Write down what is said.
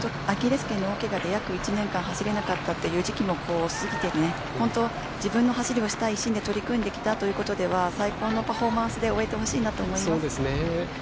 アキレスけんの大怪我で約１年間走れなかったという時期も過ぎて、本当自分の走りをしたい一心で取り組んできたということでは最高のパフォーマンスで終えてほしいなと思います。